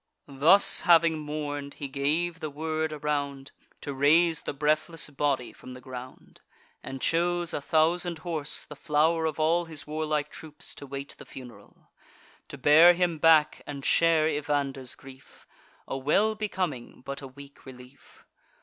Thus having mourn'd, he gave the word around, To raise the breathless body from the ground; And chose a thousand horse, the flow'r of all His warlike troops, to wait the funeral, To bear him back and share Evander's grief: A well becoming, but a weak relief.